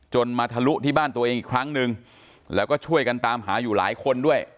มาทะลุที่บ้านตัวเองอีกครั้งหนึ่งแล้วก็ช่วยกันตามหาอยู่หลายคนด้วย